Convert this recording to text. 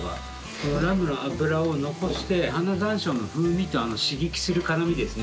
そのラムの脂を残して花ざんしょうの風味とあの刺激する辛味ですね。